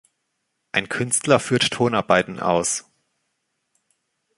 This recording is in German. Ein Künstler führt Tonarbeiten aus.